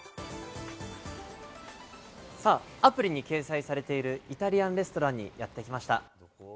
さあ、アプリに掲載されているイタリアンレストランにやってきました。